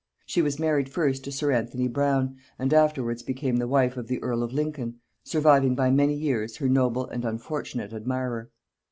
She was married first to sir Anthony Brown, and afterwards became the wife of the earl of Lincoln, surviving by many years her noble and unfortunate admirer.